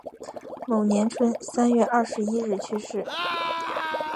某年春三月二十一日去世。